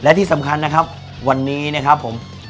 และที่สำคัญนะครับวันนี้นะครับผม